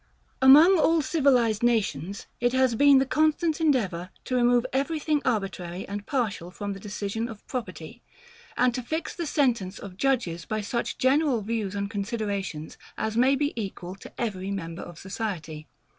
] Among all civilized nations it has been the constant endeavour to remove everything arbitrary and partial from the decision of property, and to fix the sentence of judges by such general views and considerations as may be equal to every member of society.